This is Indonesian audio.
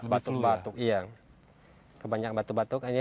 kebanyakan batuk batuk iya kebanyakan batuk batuk